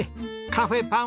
カフェ